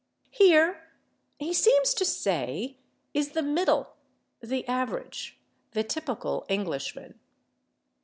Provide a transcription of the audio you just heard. Here, he seems to say, is the middle, the average, the typical Englishman.